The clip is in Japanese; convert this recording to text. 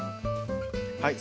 はい。